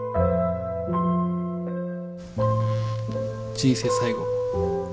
人生最後。